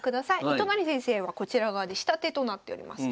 糸谷先生はこちら側で下手となっております。